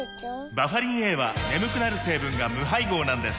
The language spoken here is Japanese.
バファリンＡは眠くなる成分が無配合なんです